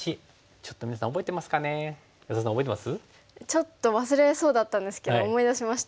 ちょっと忘れそうだったんですけど思い出しました。